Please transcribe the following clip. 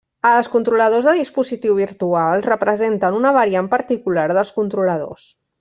Els controladors de dispositiu virtuals representen una variant particular dels controladors.